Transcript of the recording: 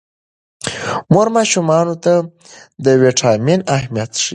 مور ماشومانو ته د ویټامین اهمیت ښيي.